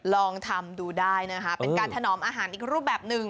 ลองทำดูได้นะคะเป็นการถนอมอาหารอีกรูปแบบหนึ่ง